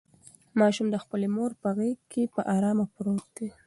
ماشوم د خپلې مور په غېږ کې په ارامه پروت دی.